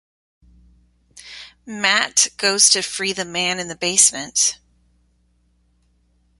Matt goes to free the man in the basement.